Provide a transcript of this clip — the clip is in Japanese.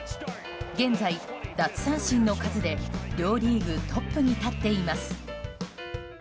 現在、奪三振の数で両リーグトップに立っています。